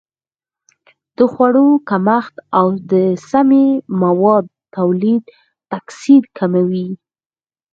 د خوړو کمښت او د سمي موادو تولید تکثر کموي.